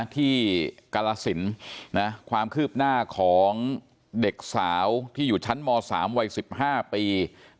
กรสินความคืบหน้าของเด็กสาวที่อยู่ชั้นม๓วัย๑๕ปี